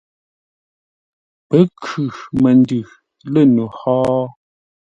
Pə́ khʉ məndʉ lə̂ no hó?